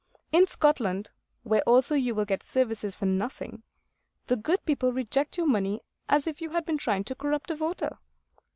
In Scotland, where also you will get services for nothing, the good people reject your money as if you had been trying to corrupt a voter.